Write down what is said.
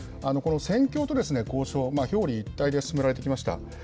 この戦況と交渉、表裏一体で進められてきました。